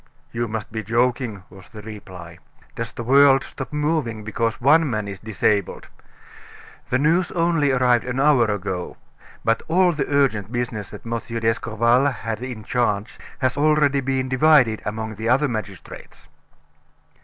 "You must be joking," was the reply. "Does the world stop moving because one man is disabled? The news only arrived an hour ago; but all the urgent business that M. d'Escorval had in charge has already been divided among the other magistrates."